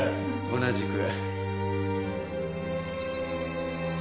同じく。